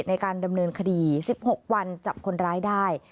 ในการดำเนินคดี๑๖วันจับคนร้ายได้